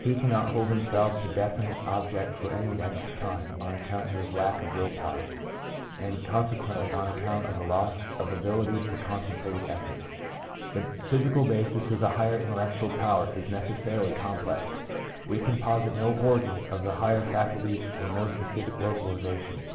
He cannot hold himself to a definite object for any length of time on account of his lack of will power, and, consequently, on account of the loss of ability for concentrated effort. The physical basis of the higher intellectual powers is necessarily complex. We can posit no organ of the higher faculties or no specific localization.